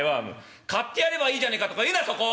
『買ってやればいいじゃねえか』とか言うなそこ！